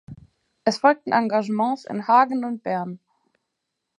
Es folgten Engagements in Hagen und Bern.